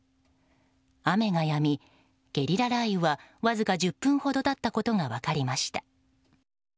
雨がやみ、ゲリラ雷雨はわずか１０分ほどだったことが分かりました。